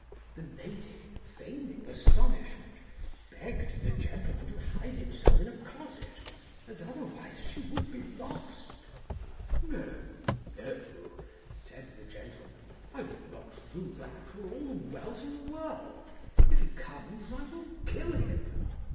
The lady, feigning astonishment, begged the gentleman to hide himself in a closet, as otherwise she would be lost. ' No, no,' said the gentleman ;' I would not do that for all the wealth in the world ; if he comes I will kill him.'